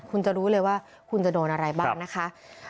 คุณจะรู้เลยว่าคุณจะโดนอะไรบ้างนะคะ